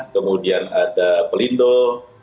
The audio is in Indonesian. kemudian ada pelindung